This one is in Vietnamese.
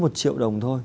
có một triệu đồng thôi